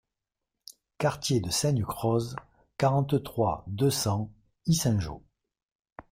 Quartier de Saignecroze, quarante-trois, deux cents Yssingeaux